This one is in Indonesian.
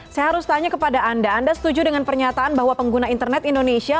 saya harus tanya kepada anda anda setuju dengan pernyataan bahwa pengguna internet indonesia